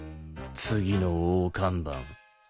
次の大看板